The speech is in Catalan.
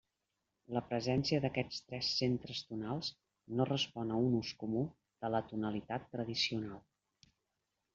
La presència d'aquests tres centres tonals no respon a un ús comú de la tonalitat tradicional.